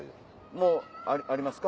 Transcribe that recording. もうありますか？